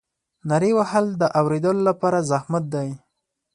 نارې وهل د اورېدلو لپاره زحمت دی.